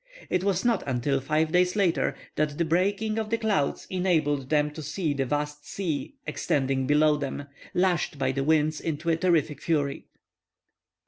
It was not until five days later that the breaking of the clouds enabled them to see the vast sea extending below them, lashed by the wind into a terrific fury.